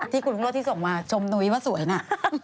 ที่คุณลูกโลศน์ที่ส่งมาชมหนูวิว่าสวยนะ